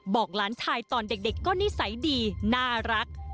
หลานชายตอนเด็กก็นิสัยดีน่ารัก